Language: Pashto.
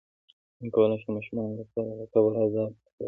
څنګه کولی شم د ماشومانو لپاره د قبر عذاب کیسه وکړم